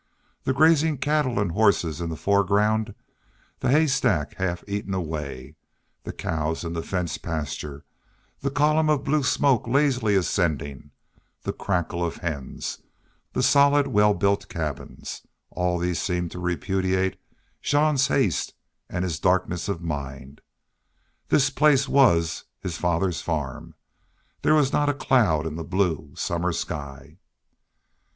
The grazing cattle and horses in the foreground, the haystack half eaten away, the cows in the fenced pasture, the column of blue smoke lazily ascending, the cackle of hens, the solid, well built cabins all these seemed to repudiate Jean's haste and his darkness of mind. This place was, his father's farm. There was not a cloud in the blue, summer sky.